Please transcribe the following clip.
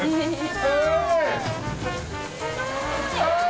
すごい！